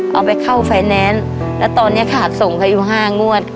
เอาไปเข้าแฟนแนนซ์แล้วตอนเนี่ยขาดส่งไปอยู่ห้างงวด